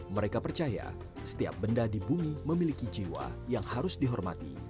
mereka percaya setiap benda di bumi memiliki jiwa yang harus dihormati